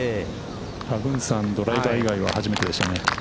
パグンサン、ドライバー以外は初めてでしょうね。